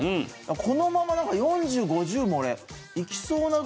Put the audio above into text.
このまま４０５０もいきそうなぐらい。